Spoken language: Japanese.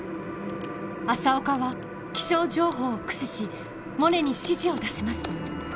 朝岡は気象情報を駆使しモネに指示を出します。